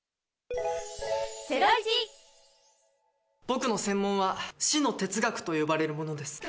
僕の専門は、死の哲学と呼ばれるものです。